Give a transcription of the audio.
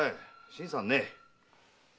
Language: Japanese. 新さんね。